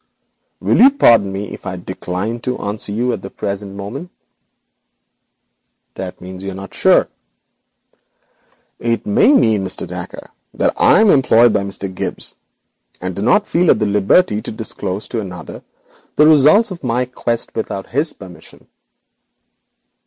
'Will you pardon me if I decline to answer this question at the present moment?' 'That means you are not sure.' 'It may mean, Mr. Dacre, that I am employed by Mr. Gibbes, and do not feel at liberty to disclose the results of my quest without his permission.'